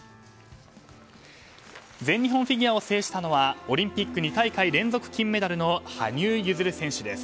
全日本フィギュアを制したのはオリンピック２大会連続金メダルの羽生結弦選手です。